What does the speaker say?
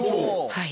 はい。